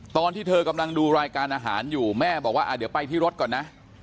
ตอนที่เธอกำลังดูรายการอาหารอยู่แม่บอกว่าเดี๋ยวไปที่รถก่อนนะ